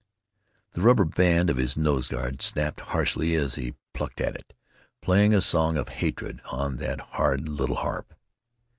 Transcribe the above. The rubber band of his nose guard snapped harshly as he plucked at it, playing a song of hatred on that hard little harp.